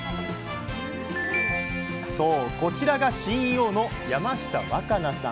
そうこちらがＣＥＯの山下若菜さん。